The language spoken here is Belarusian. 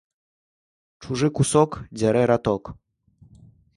Чужы кусок дзярэ раток